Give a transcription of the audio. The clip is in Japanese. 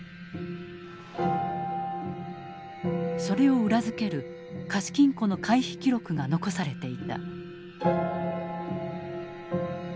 それを裏付ける貸金庫の開扉記録が残されていた。